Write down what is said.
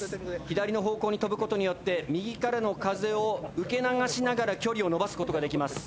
左の方向に飛ぶ事によって右からの風を受け流しながら距離をのばす事ができます。